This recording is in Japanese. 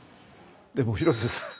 でも広瀬さん